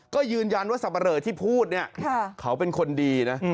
ก็ยืนยันว่าสับปะเลอที่พูดเนี่ยเขาเป็นคนดีนะ